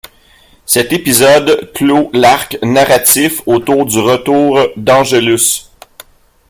Cet épisode clôt l'arc narratif autour du retour d'Angelus.